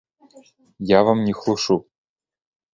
Я вам не хлушу!